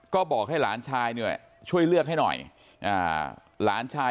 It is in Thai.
ก็บอกให้หลานชายช่วยเลือกให้หน่อย